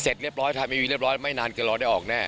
เสร็จเรียบร้อยถ่ายมารับเรียบร้อยไม่นานเกินรอได้ออกแน่